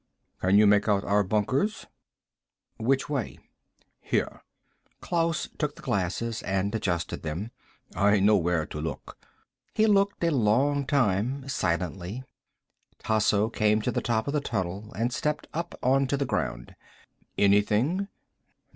"Can you make out our bunkers?" "Which way?" "Here." Klaus took the glasses and adjusted them. "I know where to look." He looked a long time, silently. Tasso came to the top of the tunnel and stepped up onto the ground. "Anything?"